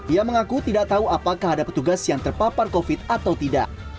ia mengaku tidak tahu apakah ada petugas yang terpapar covid atau tidak